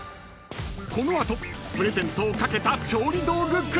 ［この後プレゼントを懸けた調理道具クイズ］